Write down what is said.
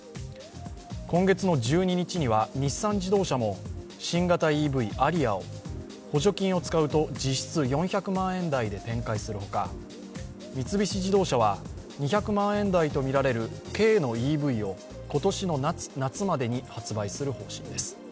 今月１２日には、日産自動車も新型ＥＶ・アリアを補助金を使うと実質４００万円台で展開するほか三菱自動車は２００万円台とみられる軽のＥＶを今年の夏までに発売する方針です。